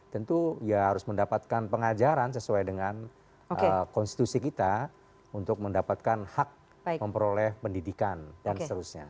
tentu ya harus mendapatkan pengajaran sesuai dengan konstitusi kita untuk mendapatkan hak memperoleh pendidikan dan seterusnya